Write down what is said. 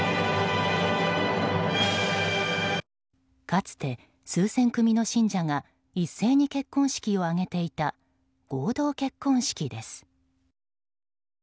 かつて、数千組の信者が一斉に結婚式を挙げていた合同結婚式です。